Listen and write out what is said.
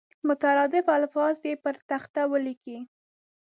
مترادف الفاظ دې پر تخته ولیکي.